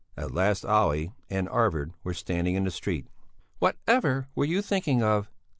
At last Olle and Arvid were standing in the street. "Whatever were you thinking of?"